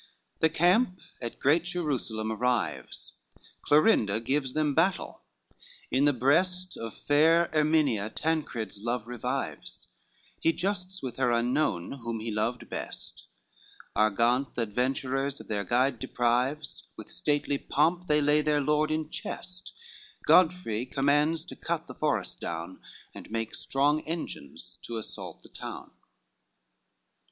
The camp at great Jerusalem arrives: Clorinda gives them battle, in the breast Of fair Erminia Tancred's love revives, He jousts with her unknown whom he loved best; Argant th' adventurers of their guide deprives, With stately pomp they lay their Lord in chest: Godfrey commands to cut the forest down, And make strong engines to assault the town.